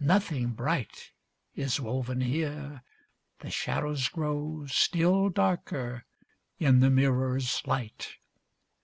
Nothing bright Is woven here: the shadows grow Still darker in the mirror's light!